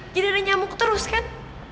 ada nyamuk terus kan